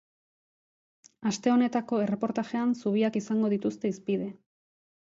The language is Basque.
Aste honetako erreportajean zubiak izango dituzte hizpide.